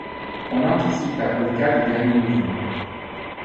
On anticipe la polka du dernier mouvement.